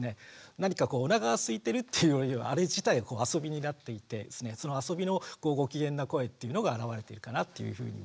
何かこうおなかがすいてるっていうよりはあれ自体遊びになっていてその遊びのご機嫌な声っていうのが現れてるかなっていうふうには。